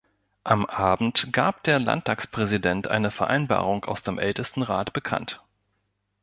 Am Abend gab der Landtagspräsident eine Vereinbarung aus dem Ältestenrat bekannt.